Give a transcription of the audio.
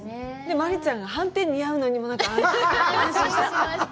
真里ちゃんがはんてん似合うのにも安心しました。